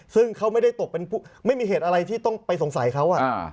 ซึ่งเขาไม่ได้ตกเป็นผู้ไม่มีเหตุอะไรที่ต้องไปสงสัยเขา